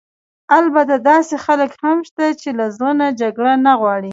البته داسې خلک هم شته چې له زړه نه جګړه نه غواړي.